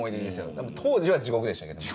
でも当時は地獄でしたけどね。